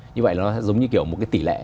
như vậy nó giống như kiểu một cái tỷ lệ